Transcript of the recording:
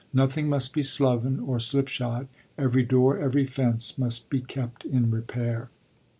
Nothing must be sloven or slipshod; every door, every fence, must be kept in repair.